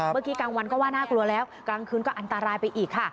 กลางวันก็ว่าน่ากลัวแล้วกลางคืนก็อันตรายไปอีกค่ะ